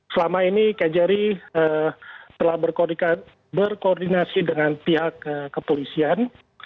selama ini kejari telah berkoordinasi dengan pihak kepolisian